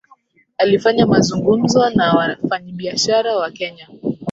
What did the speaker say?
Alifanya mazungumzo na wafanyabiashara wa Kenya